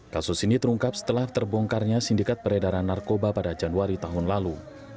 kasus ini terungkap setelah terbongkarnya sindikat peredaran narkoba pada januari tahun lalu